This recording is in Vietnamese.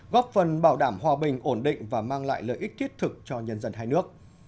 góp phần bảo đảm hòa bình ổn định và mang lại lợi ích thiết thực cho nhân dân hai nước